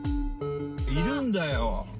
いるんだよ。